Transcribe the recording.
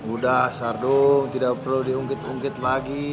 udah sardung tidak perlu diungkit ungkit lagi